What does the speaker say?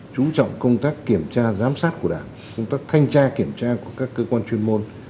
chú trọng công tác kiểm tra giám sát của đảng công tác thanh tra kiểm tra của các cơ quan chuyên môn